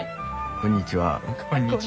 こんにちは。